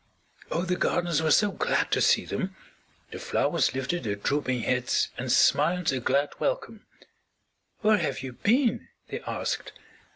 Oh, the gardens were so glad to see them! The flowers lifted their drooping heads and smiled a glad welcome. "Where have you been?" they asked.